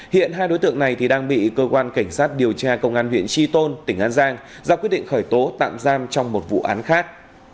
hiện hai đối tượng này đang bị cơ quan cảnh sát điều tra công an huyện tri tôn tỉnh an giang ra quyết định khởi tố tạm giam trong một vụ án khác